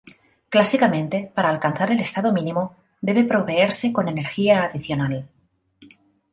Clásicamente, para alcanzar el estado mínimo, debe proveerse con energía adicional.